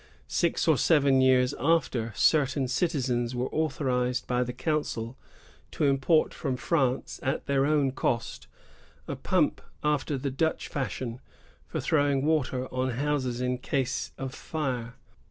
^ Six or seven years after, certain citi zens were authorized by the council to import from France, at their own cost, " a pump after the Dutch fashion, for throwing water on houses in case of fire."